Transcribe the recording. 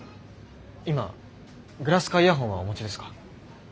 今グラスかイヤホンはお持ちですか？